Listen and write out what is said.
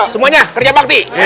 semuanya kerja bakti